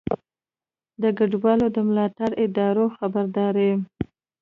د کډوالو د ملاتړو ادارو خبرداری